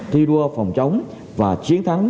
thi đua phòng chống và chiến thắng